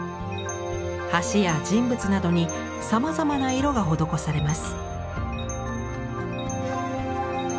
橋や人物などにさまざまな色が施されます。